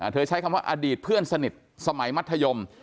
ใช้คำว่าอดีตเพื่อนสนิทสมัยมัธยม